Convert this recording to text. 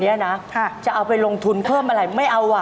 เอ้ยเอาแล้ว